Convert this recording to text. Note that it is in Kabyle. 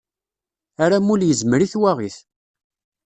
Aramul yezmer i twaɣit.